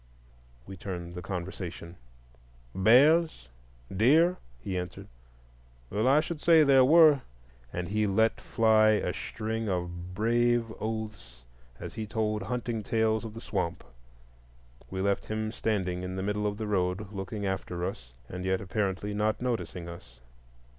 We turned the conversation. "Bears? deer?" he answered, "well, I should say there were," and he let fly a string of brave oaths, as he told hunting tales of the swamp. We left him standing still in the middle of the road looking after us, and yet apparently not noticing us.